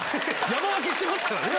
山分けしてますからね。